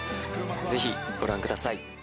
ぜひご覧ください。